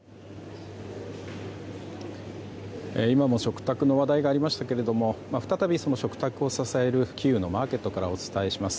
今も食卓の話題がありましたけれども再び食卓を支えるキーウのマーケットからお伝えします。